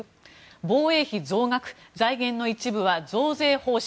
防衛費増額財源の一部は増税方針。